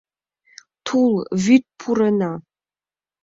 Тул, вӱд Пурена